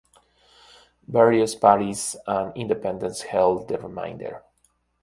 Various parties and independents held the remainder.